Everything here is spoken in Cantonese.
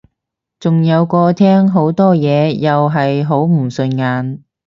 仲有個廳好多嘢又係好唔順眼